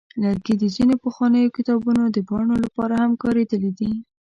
لرګي د ځینو پخوانیو کتابونو د پاڼو لپاره هم کارېدلي دي.